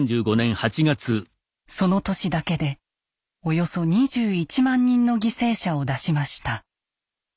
その年だけでおよそ２１万人の犠牲者を出しました。